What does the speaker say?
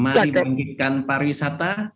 mari mengikuti pariwisata